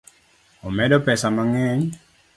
Omedo pesa mang'eny